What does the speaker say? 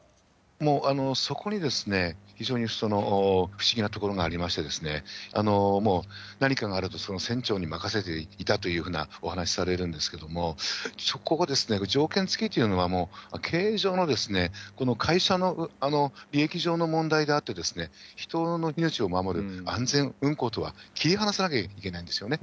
もう、そこに非常に不思議なところがありまして、もう何かがあると、船長に任せていたというふうなお話されるんですけども、そこが条件付きというのは、経営上の会社の利益上の問題であって、人の命を守る、安全運航とは切り離さなきゃいけないんですよね。